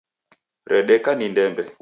Redeka ni ndembe